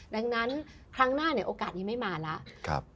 ดังนั้นครั้งหน้าเนี่ยโอกาสนี้ไม่มาแล้ว